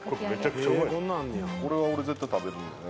これは俺絶対食べるんだよね